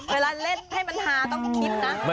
เวลาเล่นให้มันฮาต้องคิดนะ